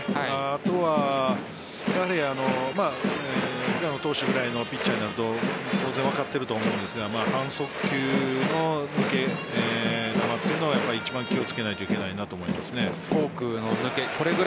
あとはやはり平野投手くらいのピッチャーになると当然分かっているとは思いますが半速球の抜け球というのは一番気をつけなきゃいけないと思います。